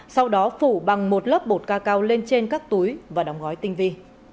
sau đó phủ bằng một lớp bột ca cao lên trên các túi và đóng gói tinh vi